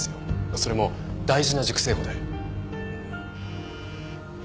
それも大事な熟成庫で。